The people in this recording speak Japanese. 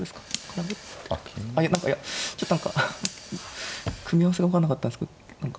何かいやちょっと何か組み合わせが分かんなかったんですけど何か。